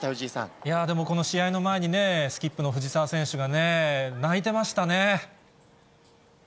いやー、でも、この試合の前にスキップの藤澤選手が泣いてましたね。